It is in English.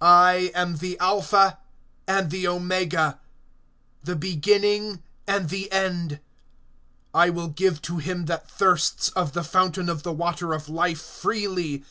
I am the Alpha and the Omega, the beginning and the end. I will give to him that thirsts, of the fountain of the water of life freely.